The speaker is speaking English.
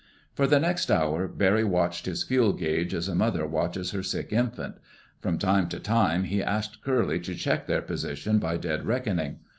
For the next hour Barry watched his fuel gauge as a mother watches her sick infant. From time to time he asked Curly to check their position by dead reckoning.